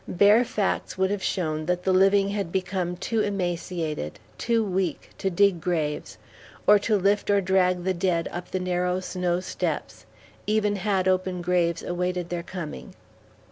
Bare facts would have shown that the living had become too emaciated, too weak, to dig graves, or to lift or drag the dead up the narrow snow steps, even had open graves awaited their coming.